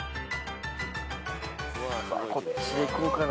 こっちでいこうかな。